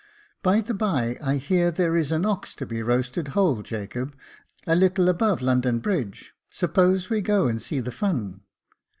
" By the by, I hear there is an ox to be roasted whole, Jacob, a little above London Bridge ; suppose we go and see the fun."